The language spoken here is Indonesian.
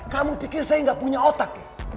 kamu pikir saya nggak punya otak ya